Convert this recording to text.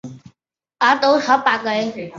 位于伦敦西敏市圣约翰伍德的阿比路。